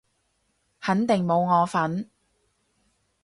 肯定冇我份